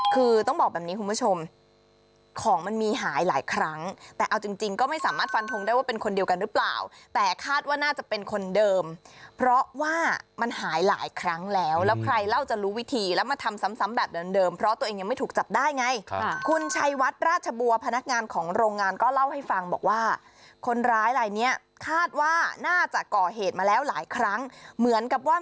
คือต้องบอกแบบนี้คุณผู้ชมของมันมีหายหลายครั้งแต่เอาจริงจริงก็ไม่สามารถฟันทงได้ว่าเป็นคนเดียวกันหรือเปล่าแต่คาดว่าน่าจะเป็นคนเดิมเพราะว่ามันหายหลายครั้งแล้วแล้วใครเล่าจะรู้วิธีแล้วมาทำซ้ำแบบเดิมเพราะตัวเองยังไม่ถูกจับได้ไงคุณชัยวัดราชบัวพนักงานของโรงงานก็เล่าให้ฟังบอกว่าคนร้ายลายเนี้ยคาดว่าน่าจะก่อเหตุมาแล้วหลายครั้งเหมือนกับว่า